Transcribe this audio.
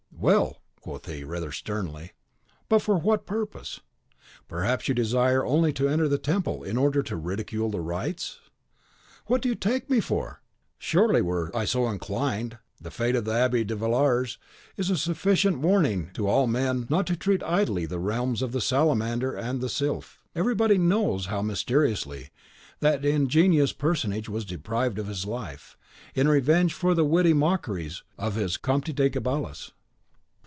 "Well!" quoth he, rather sternly; "but for what purpose? Perhaps you desire only to enter the temple in order to ridicule the rites?" "What do you take me for! Surely, were I so inclined, the fate of the Abbe de Villars is a sufficient warning to all men not to treat idly of the realms of the Salamander and the Sylph. Everybody knows how mysteriously that ingenious personage was deprived of his life, in revenge for the witty mockeries of his 'Comte de Gabalis.